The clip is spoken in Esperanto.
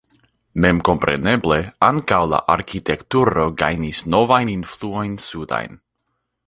Memkompreneble ankaŭ la arkitekturo gajnis novajn influojn sudajn.